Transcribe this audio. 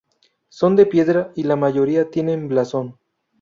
Son de piedra y la mayoría tienen blasón.